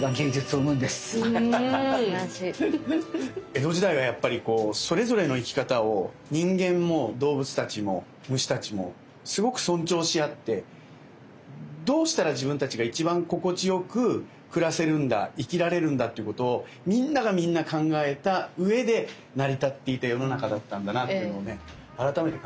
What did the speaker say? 江戸時代はやっぱりこうそれぞれの生き方をどうしたら自分たちが一番心地よく暮らせるんだ生きられるんだっていうことをみんながみんな考えたうえで成り立っていた世の中だったんだなっていうのをね改めて感じましたね。